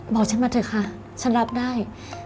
บอกฉันมาเถอะค่ะฉันรับได้